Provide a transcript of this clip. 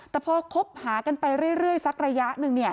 แต่พอคบหากันไปเรื่อยสักระยะหนึ่งเนี่ย